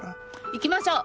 行きましょう！